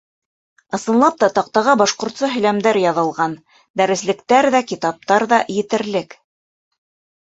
Ысынлап та, таҡтаға башҡортса һөйләмдәр яҙылған, дәреслектәр ҙә, китаптар ҙа етерлек.